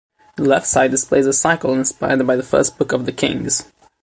The left side displays a cycle inspired by the first book of the Kings.